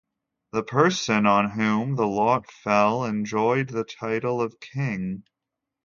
The person on whom the lot fell enjoyed the title of king.